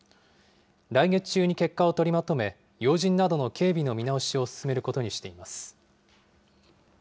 来月中に結果を取りまとめ、要人などの警備の見直しを進めることにしています。